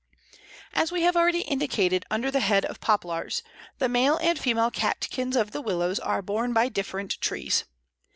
As we have already indicated under the head of Poplars, the male and female catkins of the Willows are borne by different trees.